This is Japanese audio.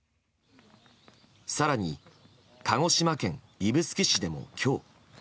更に鹿児島県指宿市でも今日。